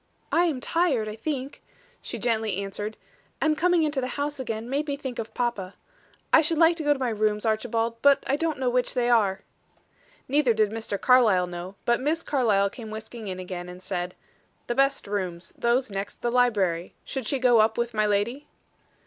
"I am tired, I think," she gently answered; "and coming into the house again made me think of papa. I should like to go to my rooms, Archibald, but I don't know which they are." Neither did Mr. Carlyle know, but Miss Carlyle came whisking in again, and said: "The best rooms; those next the library. Should she go up with my lady?"